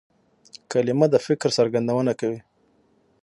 کلیمه د فکر څرګندونه کوي.